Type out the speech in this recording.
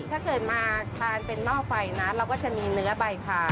ถ้าเกิดมาทานเป็นหม้อไฟนะเราก็จะมีเนื้อใบพา